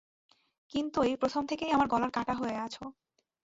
কিন্তুই প্রথম থেকেই আমার গলার কাটা হয়ে আছ।